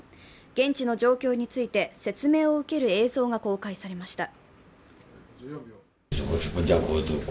現地の状況について、説明を受ける映像が公開されました。